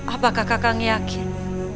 apakah kakak yakin